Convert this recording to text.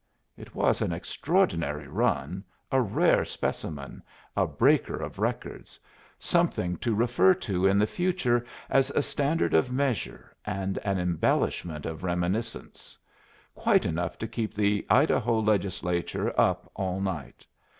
It was an extraordinary run, a rare specimen, a breaker of records, something to refer to in the future as a standard of measure and an embellishment of reminiscence; quite enough to keep the Idaho Legislature up all night.